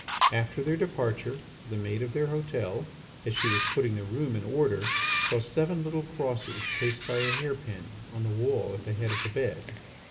After their departure, the maid of their hotel, as she was putting their room in order, saw seven little crosses traced by a hairpin on the wall at the head of the bed.